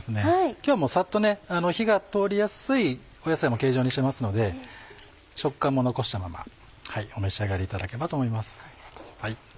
今日はさっと火が通りやすい野菜も形状にしてますので食感も残したままお召し上がりいただければと思います。